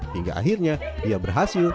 hingga akhirnya dia berhasil